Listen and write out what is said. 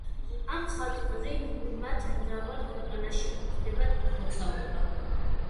ამ მხრივ მათ მრავალ ქვეყანაში უხდებათ მოგზაურობა.